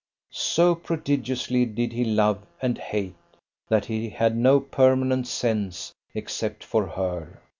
So prodigiously did he love and hate, that he had no permanent sense except for her.